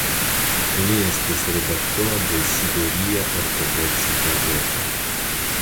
Li estis redaktoro de "Siberia ortodoksa gazeto".